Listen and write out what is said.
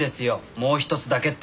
「もうひとつだけ」って。